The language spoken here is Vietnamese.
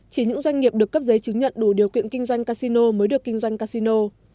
chỉ những doanh nghiệp được cấp giấy chứng nhận đủ điều kiện kinh doanh casino mới được kinh doanh casino